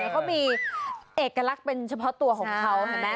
เขามีเอกลักษณ์เป็นเฉพาะตัวของเขาเห็นไหม